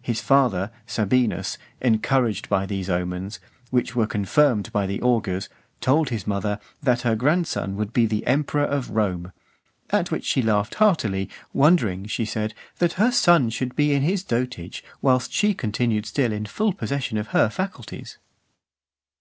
His father, Sabinus, encouraged by these omens, which were confirmed by the augurs, told his mother, "that her grandson would be emperor of Rome;" at which she laughed heartily, wondering, she said, "that her son should be in his dotage whilst she continued still in full possession of her faculties."